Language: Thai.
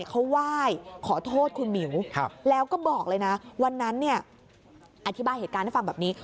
เขาไหว้ขอโทษคุณหมิวแล้วก็บอกเลยนะวันนั้นเนี่ยอธิบายเหตุการณ์ให้ฟังแบบนี้